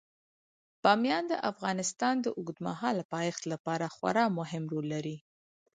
بامیان د افغانستان د اوږدمهاله پایښت لپاره خورا مهم رول لري.